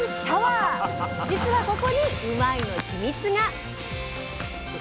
じつはここにうまいッ！の秘密が！